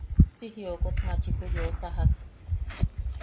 Si jiokot machiku yeu sajak.